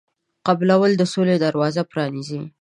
قبلول د سولې دروازه پرانیزي.